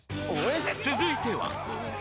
［続いては］